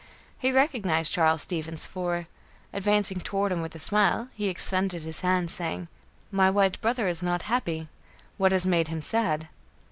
He recognized Charles Stevens, for, advancing toward him with a smile, he extended his hand saying: "My white brother is not happy. What has made him sad?"